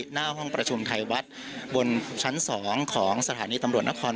หน้าห้องประชุมไทยวัดบนชั้น๒ของสถานีตำรวจนคร